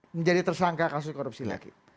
menjadi tersangka kasus korupsi lagi